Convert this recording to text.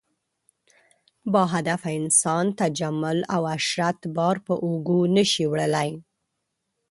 باهدفه انسان تجمل او عشرت بار په اوږو نه شي وړلی.